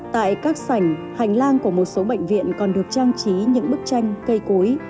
tại các sảnh hành lang của một số bệnh viện còn được trang trí những bức tranh cây cối